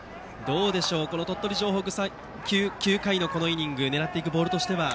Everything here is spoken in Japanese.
この鳥取城北９回のイニングで狙っていくボールとしては？